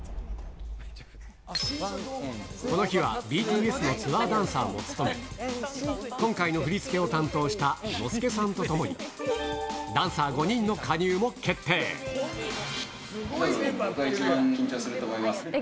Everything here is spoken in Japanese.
この日はＢＴＳのツアーダンサーも務め、今回の振り付けを担当したノスケさんと共に、ダンサー５人の加入僕が一番緊張すると思います。